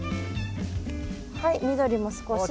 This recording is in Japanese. はい緑も少し。